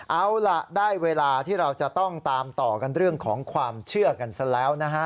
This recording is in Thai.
เอาล่ะได้เวลาที่เราจะต้องตามต่อกันเรื่องของความเชื่อกันซะแล้วนะฮะ